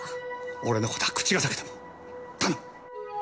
俺の事は口が裂けても頼む！